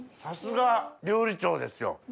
さすが料理長ですよ。